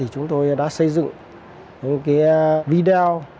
chúng tôi đã xây dựng những video